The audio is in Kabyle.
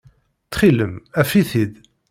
Ttxil-m, af-it-id.